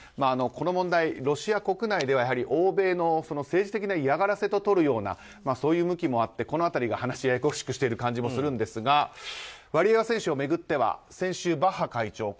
この問題、ロシア国内では欧米の政治的な嫌がらせととるようなそういう向きもあってこの辺りが話をややこしくしている感じもあるんですがワリエワ選手を巡っては先週、バッハ会長